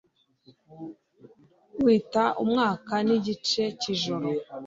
wita umwaka ni igice cy'ijoro